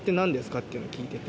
っていうのを聞いてて。